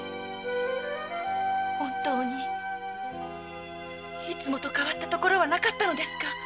本当にいつもと変わったところはなかったのですか？